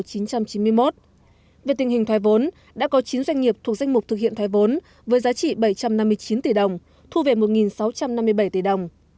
về tình hình thoái vốn đã có chín doanh nghiệp thuộc danh mục thực hiện thoái vốn với giá trị bảy trăm năm mươi chín tỷ đồng thu về một sáu trăm năm mươi bảy tỷ đồng